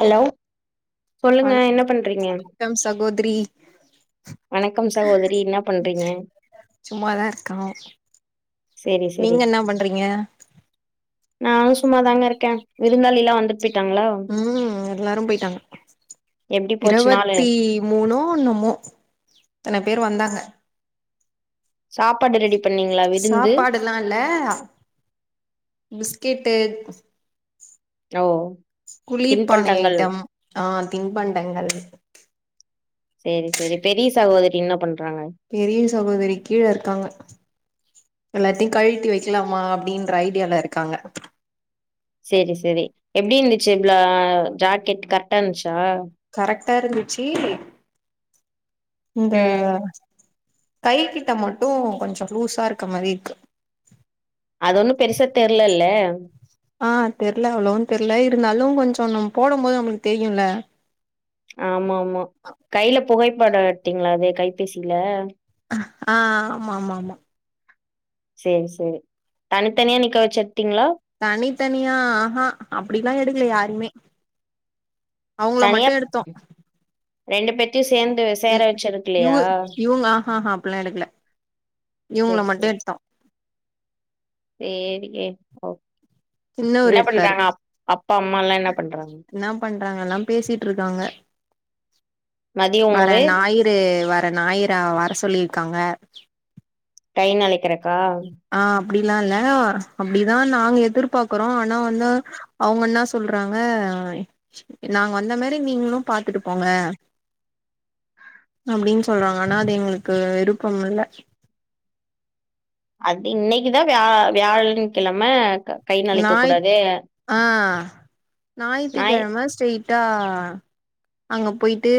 Hello சொல்லுங்க என்ன பண்றீங்க வணக்கம் சகோதரி வணக்கம் சகோதரி என்ன பண்றீங்க சும்மாதா இருக்கோ சேரி சேரி நீங்க என்ன பண்றீங்க நான் சும்மாதாங்க இருக்கேன் விருந்தாளி எல்லாம் வந்துட்டு போயிட்டாங்களா ம் எல்லாரும் போயிட்டாங்க எப்டி போச்சு நாளு இருவத்தி மூணோ ஒன்னுமோ த்தன பேர் வந்தாங்க சாப்பாடு ரெடி பண்ணீங்களா விருந்து லாம் இல்ல பிஸ்கட்டு ஓ குளிர்பானை தின்பண்டங்கள் ஐட்டம் ஆ தின்பண்டங்கள் சேரி சேரி பெரிய சகோதரி என்ன பண்றாங்க பெரிய சகோதரி கீழ இருக்காங்க எல்லாத்தையு கழட்டி வெக்கலாமா அப்படின்ற ஐடியால இருக்காங்க சேரி சேரி எப்டி இருந்துச்சு ப்ளா ஜாக்கெட் கர்ட்டா இருந்துச்சா கரெக்டா இருந்துச்சி இந்த ம் கை கிட்ட மட்டு கொஞ்ச லூஸா இருக்க மாறி இருக்கு அது ஒன்னு பெருசா தெர்லல்ல ஆ தெர்ல அவ்ளோவு தெர்ல இருந்தாலு கொஞ்சோ நம் போடும் போது நம்மளுக் தெரியும்ல ஆமா ஆமா கையில புகைப்படம் எடுத்திங்களா அத கைபேசில ஆ ஆமா ஆமா ஆமா சேரி சேரி தனித்தனியா நிக்க வெச்சு எடுத்திங்களா தனித்தனியா ஆஹா அப்படிலா எடுக்கல யாறையுமே அவங்கள மட்டு தனியா எடுத்தோம் ரெண்டு பேத்தையும் சேந்து சேர ம் வச்சிருக்கலையா யுவு யுவுங்க ஆ ஹஹஹ அப்பல்லா எடுக்கல இவுங்கள செரி மட்டும் எடுத்தோம் சேரிங்க ஓகே சின்னவரு என்ன எடுத்தாரு பண்றாங்க அப் அப்பா அம்மல்லா என்ன பண்றாங்க பண்றாங்கல்லா பேசிட்டு இருக்காங்க மதிய வர உணவு ஞாயி ந்து வர ஞாயிர வர சொல்லிருக்காங்க கை நனைக்கிறக்கா ஆ அப்படில்லா இல்ல அப்படிதா நாங்க எதிர்பாக்குறோ ஆனா வந்து அவுங்க என்னா சொல்றாங்க நாங்க வந்த மாறி நீங்களு பாத்துட்டு போங்க அப்படின் சொல்றாங்க ஆனா அது எங்களுக்கு விருப்பம் இல்ல அது இன்னிக்குதா வியா வியாழன் கிழம ஞாய ஆ ஞாய் ஞாயித்துக்கிழம ஸ்டெய் ட்டா அங்க போய்ட்டு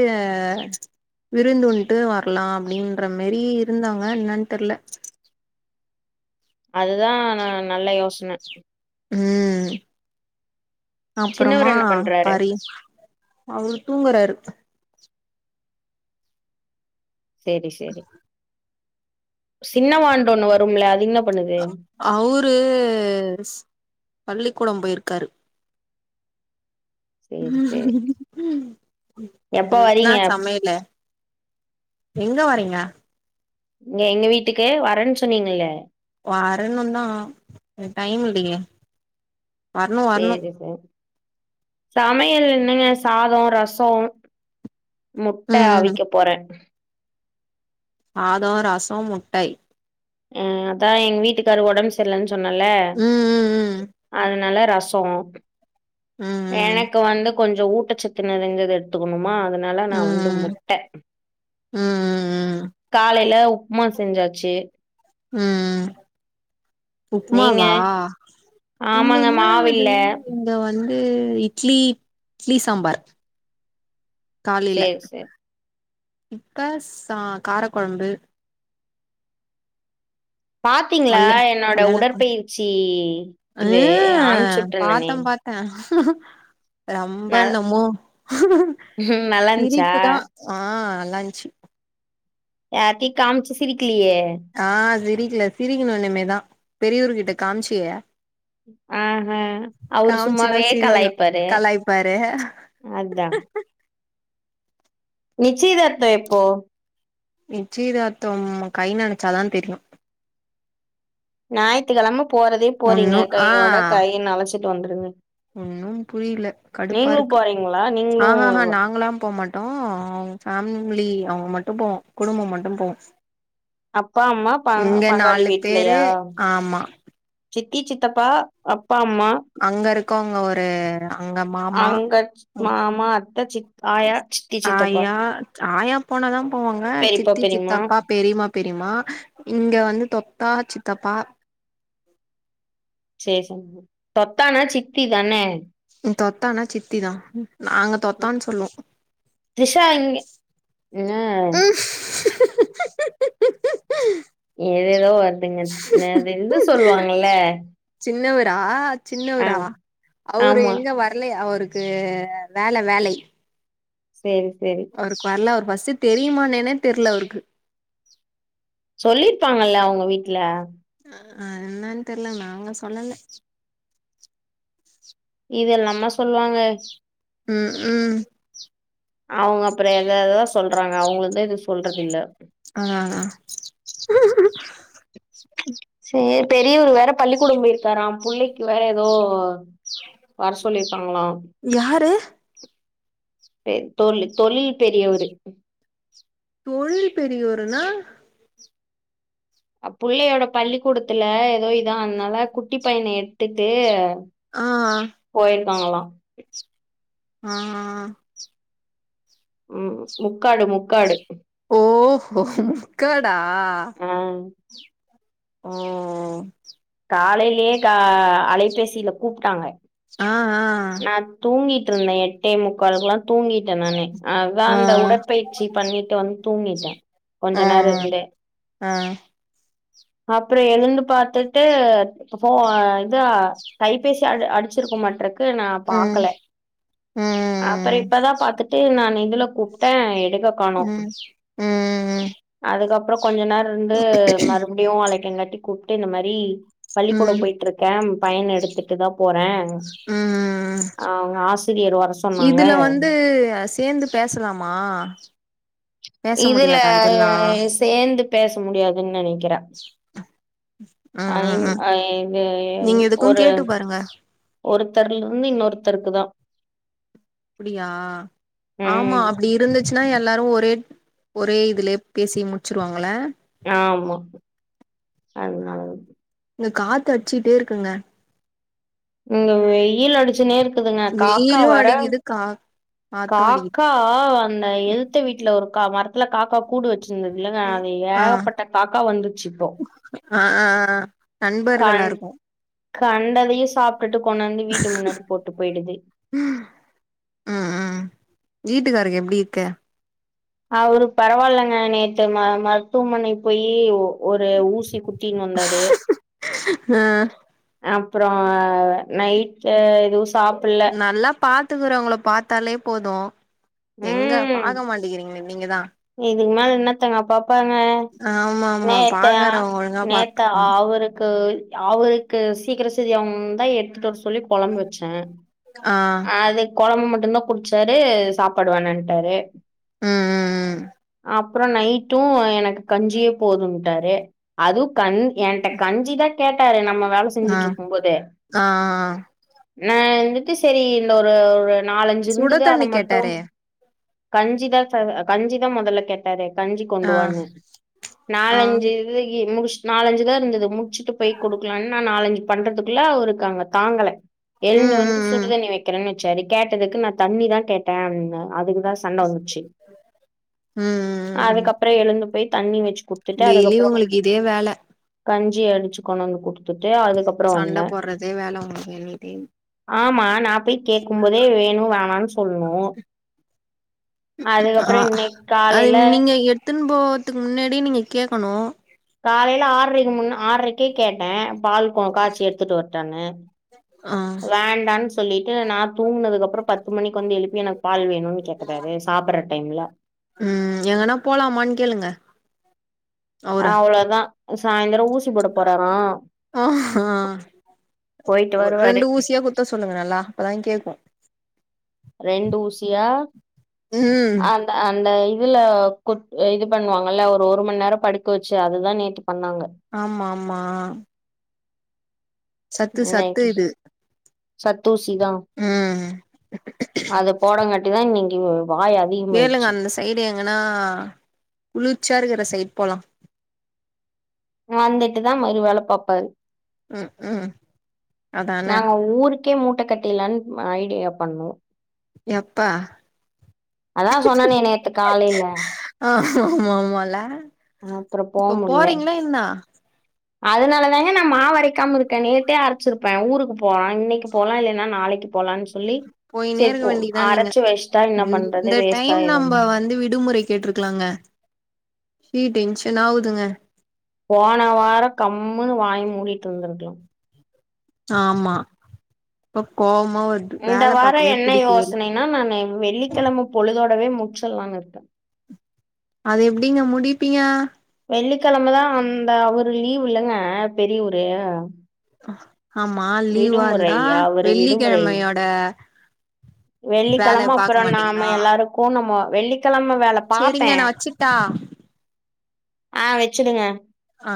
விருந்துன்ட்டு வரலா அப்படின்ற மாறி இருந்தாங்க என்னன் தெர்ல அதுதான் நா நல்ல யோசன ம் சின்னவரு அப்பறமா என்ன பண்றாரு பரி அவுர் தூங்கறாரு சேரி சேரி சின்னவாண்டு ஒண்ணு வரும்ல அது என்ன பண்ணுது அவுரு பள்ளிக்கூடம் போயிருக்காரு சேரி சேரி எப்ப ன்னா வரீங்க சமையலு எங்க வரீங்க ங்க எங்க வீட்டுக்கு வரேன் சொன்னீங்களே வரணுதா டைம் இல்லியே சேரி சேரி சமையல் என்னங்க சாதோ ரசோ முட்ட ம் ம் ஆவிக்க போறே சாதோ, ரசோ, முட்டை ம், அதா எங்க வீட்டுக்காரு ஒடம்பு சரியில்லனு சொன்னல ம் அதனால ர சோ ம் ம் எனக்கு வந்து கொஞ்சோ ஊட்டச்சத்து நெறைஞ்சது எடு த்துக்கணுமா அதனால நா ம் வந்து ம் முட்ட, ம் ம் ம் ம் காலையில உப்புமா செஞ்சாச்சு ம் நீங்க உப்புமாவா இங்க ஆமாங்க என்னாது மாவில்ல இங்க வந்து இட்லி இட்லி சாம்பார் காலைல சேரி சேரி இப்ப சா காரக்கொழம்பு பாத்தீங்களா கல்ல என்னோட கல்யாண கொழம்பு உடற்பயிற்சி இது அம்ச்சுட்டுருந்தனே அ, ரொம்ப ந என்னமோ நல்லாருந்துச்சா சிரிப்புதா ஆ நல்லாருந்துச்சி யார்ட்டயு காமிச்சி சிரிக்கலையே ஆ சிரிக்கல சிரிக்கணு இனிமேதா பெரியவர்கிட்ட காமிச்சி ஆஹ அவரு காமிச்சுன்னா சும்மாவே சிரிக்கணு கலாய்ப்பாரு கலாய்ப்பாரு அதா நிச்சயதார்த்தோ எப்போ நிச்சயதார்த்தம் நம்ம கை நெனைச்சாதா தெரியு ஞாயித்துக்கெழம போறதே போறீங்க ஒன்னு கையோட கைய நெனச்சிட்டு வந்துருங்க ஒன்னு புரியல கடுப்பா நீங்களு இருக்கு, போறீங்களா நீங்களு ஆஹஹா நாங்கள்லா போமாட் டோ அவங்க ஃபேமிலி அவுங்க மட்டு போவோ குடும்பம் மட்டு போவோ. அப்பா அம்மா ப இங்க பங்காளி நாலு பேரு வீட்லையா ஆமா சித்தி, சித்தப்பா, அப்பா, அம்மா அங்க இருக்கவங்க ஒரு அங்க மாமா, அங்க ம், மாமா அத்த சித் ஆயா சித்தி சித்தப்பா ஆயா ஆயா போனதா போவாங்க பெரிப்பா சித்தி, பெரிம்மா சித்தப்பா, பெரியமா பெரியமா இங்க வந்து தொத்தா சித்தப்பா சேரி சேரி தொத்தானா சித்திதான தொத்தான்னா சித்திதா நாங்க தொத்தான்னு சொல்லுவோ திரிஷா இங்க, அ ஏதேதோ வருதுங்க என்னது இது சொல்லுவாங்கல்ல சின்னவரா ஆ சின்னவரா அவரு ஆமா எங்க வரலையா அவரு க்கு வேல வேலை சேரி சேரி அவருக்கு வரல அவருக்கு ஃபர்ஸ்ட் தெரியுமா என்னன்னே தெரியல அவருக்கு சொல்லிருப்பாங்கல்ல அவுங்க வீட்ல அ அ என்னனு தெரில நாங்க சொல்லல இதெல்லாமா சொல்லுவாங்க ம், ம் அவுங்க அப்பறோ ஏதேதோ சொல்றாங்க அவுங்கதா எது சொல்றது இல்ல ஆ சேரி பெரியவரு வேற பள்ளிக்கூடம் போயிருக்காறா புள்ளைக்கு வேற ஏதோ வர சொல்லிருக்காங்களா யாரு தெ தொழி தொழில் பெரியவரு தொழில் பெரியவருனா அ பிள்ளையோட பள்ளிக்கூடத்துல எதோ இதானனால குட்டி பையன எடுத்துட்டு ஆ ஆ போயிருக்காங்களா ஆ ஆ ம் முக்காடு முக்காடு ஓஹோ முக்காடா அ ஓ காலைலே கா அலைபேசில கூப்ட்டாங்க ஆ ஆ தூங்கிட்ருந்தே எட்டே முக்காலுக்லா தூங்கிட்டே நானு அதா ஆ அந்த உடற்பயிற் ச்சி பண்ணிட்டு வந்து தூங்கிட்டே கொஞ்ச ஆ ஆ நேர இருந்தே ஆ அப்றோ எழுந்து பாத்துட்டு இப்ப ஃபோ இதா கைபேசி அட் அடிச்சிருக்குமாட்ருக்கு நா ம் பாக்கல அப்பற ம் இப்பதா பாத்துட்டு நான் இதுல கூப்ட்டே எடுக்க ம் ம் ம் ம் அதுக்கப்றோ கொஞ்ச நேர இருந்து மறுபடியு அழைக்கங்காட்டி கூப்ட்டு இந்த மாரி பள்ளிக்கூட ம் போயிட்ருக்கே பையன எடுத்துட்டு தா போறே அ அவங்க ஆசிரியர் வர சொன்னாங்க இதுல வந்து சேந்து பேசலாமா பேச இதுல முடியாதா அ இதெல்லா அ சேந்து பேச முடியாதுன் நெனைக்கிறே ஆ ஐ ஆ ஆ ஐ இது நீங்க எதுக்கு கேட்டு பாருங்க ஒருத்தருல இருந்து இன்னொருத்தருக்கு தா அப்டியா ஆமா ம் அப்டி இருந்துச் சுனா எல்லாரு ஒரே ஒரே இதுலே பேசி முட்ச்சிருவாங்கள ஆமா அதுனாலதா இங்க காத்து அட்ச்சிட்டே இருக்குங்க இங்க வெயில் அடிச்சுனே இருக்குதுங்க காக்கா வெயிலு வர அடிக்குது கா காத்து அடிக்குது காக்கா காவ் அந்த எதுத்த வீட்ல ஒருக்கா மரத் த்துல காக்கா கூடு வச்சிருந்தது இல்லங்க அங்க ஆ ஏகப்பட்ட காக்கா வந்துருச்சு இப்போ ஆ ஆ நண்பர்களா கண் இருக்கு கண்டதையு சாப்ட்டுட்டு கொண்டாந்து வீட்டு முன்னாடி போட்டு போயிடுது ம் ம் ம் வீட்டுக்காருக்கு எப்டி இருக்கு அவரு பரவால்லங்க நேத்து ம மருத்துவமனைக்கு போயி ஒ ஒரு ஊசி குத் தினு வந்தாரு ஆ அப்றோ நைட்ல எதுவு சாப் நல்லா பாத்துக்குறவ்ங்கள பாத்தாலே போது எங்க ம் பாக்க மாட்டிக்கிறீங்ளே நீங்கதா இதுக்கு மேல என்னத்தங்க அப்பப்பங்க ஆமா ஆமா நேத்து ஆ பாக்குறவங்க ஒழுங்கா நேத் பாத்துக்கணு தாவருக்கு அவருக்கு சீக்கிர செரியாவனுன் தா எடுத்துட்டு வர சொல்லி கொழம்பு வச்சே ஆ அதுக் கொழம்பு மட்டுந்தா குட்ச்சாரு சாப்பாடு வேணான்ட்டாரு ம் ம் ம் அப்புறோ நைட்டு எனக்கு கஞ்சியே போதுங் டாரு அதுவு கண் என்ட்ட கஞ்சிதா கேட்டாரு நம்ம வேல ஆ செஞ்சுட்டுருக்கும்போதே ஆ ஆ நா வந்துட்டு செரி இந்த ஒரு ஒரு நாலஞ்சு சுட இர்ந்துது அத தண்ணி மட்டும் கேட்டாரே கஞ்சிதா ச கஞ்சிதா மொதல்ல கேட்டாரு கஞ்சி ஆ கொண்டுவான்னு ஆ நாலஞ்சு இதுக்கி முடிஷ்ட் நாலஞ்சுதா இருந்தது முட்ச்சுட்டு போய் குடுக்கலான் நா நாலஞ்சு பண்றதுக்குள்ள அவருக்கு அங்க தாங்கள ம் எழுந்து வந்து ம் ம் ம் சுடுதண்ணி வெக்கிறேன் வெச்சாரு கேட்டதுக்கு நா தண்ணி தா கேட்டே அப்பின்னா அதுக்குதா சண்ட வந்துச்சு ம் அதுக்கப்புற எழுந்து போய் தண்ணி வெச்சு குத் டெய்லியு உங்களுக்கு இதே வேல கஞ்சி அடிச்சு கொண்டு வந்து குடுத்துட்டு அதுக்கப்புற சண்ட வந்தே போடுறதே வேல உங்களுக்கு எனி டைம் ஆமா நா போய் கேக்கும் போதே வேணு வேணான் சொல்ணு ஆ அதுக்கப்புறோ இன்னைக்கு அது காலையில நீங்க எடுத்துன் போற்துக் முன்னாடி நீங்க கேக்கணு காலையில ஆற்ரைக்கு முன்னா ஆற்ரைக்கே கேட்டே பால் க காய்ச்சி எத்துட்டு வர்ட்டான்னு ஆ வேண்டான் சொல்லிட்டு நா தூங்குனதுக்கப்புறம் பத்து மணிக்கு வந்து எழுப்பி எனக் பால் வேணுன் கேக்குறாரு சாப்பற்ற டைம்ல ம் எங்கனா போலாமான் கேளுங்க அவர அவ்ளதா சாய்ந்தரோ ஊ சிப்போட போறாரா ஆ ஆ போய்ட்டு ஒரு வருவாரு ரெண்டு ஊசியா குத்த சொல்லுங்க நல்லா அப்பதா கேக்கு ரெண்டு ஊசியா ம் அந் அந்த இதுல குத் அ இது பண்ணுவாங்கல்ல ஒரு ஒரு மண் நேரம் படுக்க வெச்சு அதுதா நேத்து பண்ணாங்க ஆமா ஆமா சத்து சத்து இன்னைக்கு இது சத்தூசிதா ம் அது போடவுங்காட்டிதா இன்னிக்கு இவ் வாயா கேளுங்க அந்த சைடு எங்கன்னா குளிர்ச்சியா இருக்கிற சைட் போலா வந்துட்டுதா மறு வேல பாப்பாரு ம்க்ம் நாங்க ஊருக்கே மூட்ட கட்டில்லான் ஐடியா பண்ணோ எப்ப அதா சொன்னனே நேத்து காலையில ஆ ஆமா ஆமால அப்புறோ போ இப்போ முடில போறீங்ளா இன்னா அதனாலதாங்க நா மாவரைக்காம் இருக்கே நேத்தே அரச்சிருப்பே ஊருக்கு போலான் இன்னைக்கு போலா இல்லைன்னா நாளைக்கு போலான் சொல்லி போயினே செரி இருக்க இப்போ வேண்டியதா நீங்க அரச்சு வெஸ்ட்டா இன்னா பண்றது வேஸ்ட்டாயிரும் கேட்டுருக்கலாங்க சீ டென்ஷனாவுதுங்க போன வார கம்முனு வாய் மூடிட்டுருந்திருக்கலாம் ஆமா இப்ப கோவமா வரு இந்த வார என்ன யோசனைன்னா நானு வெள்ளிக்கெழம பொழுதோடவே முச்சுல்லான் இருக்கே அது எப்டிங்க முடிப்பீங்க வெள்ளிக்கெழமதா அந்த அவரு லீவு இல்லங்க பெரியுவுரு ஆமா லீவா இந்தா வெள்ளிக்கெழமையோட வெள்ளிக்கெழம அப்புறோ நாம எல்லாாரு போனும்மோ வெள்ளிக்கெழம வேல பாப்பே செரிங்க நா வச்சுட்டா ஆ வெச்சிடுங்க ஆ